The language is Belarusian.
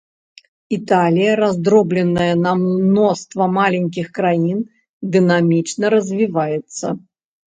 Італія, раздробленая на мноства маленькіх краін, дынамічна развіваецца.